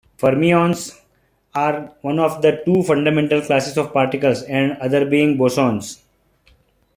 Fermions are one of the two fundamental classes of particles, the other being bosons.